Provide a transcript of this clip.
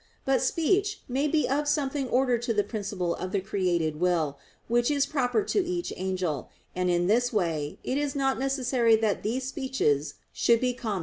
But speech may be of something ordered to the principle of the created will, which is proper to each angel; and in this way it is not necessary that these speeches should be common to all.